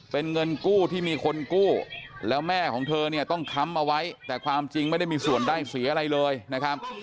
เป็นเงินกู้ที่มีคนกู้แล้วแม่ของเธอเนี่ยต้องค้ำเอาไว้แต่ความจริงไม่ได้มีส่วนได้เสียอะไรเลยนะครับ